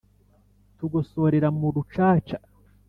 tugosorera mu rucaca